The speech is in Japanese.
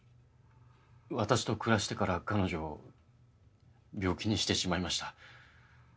私と暮らしてから彼女を病気にしてしまいました。